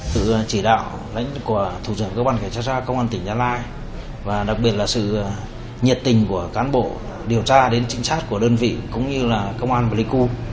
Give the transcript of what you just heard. từ chỉ đạo lãnh của thủ tướng cơ quan kẻ tra tra công an tỉnh gia lai và đặc biệt là sự nhiệt tình của cán bộ điều tra đến trịnh sát của đơn vị cũng như là công an pleiku